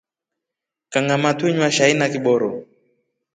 Kangama twenywa shai na kiboro.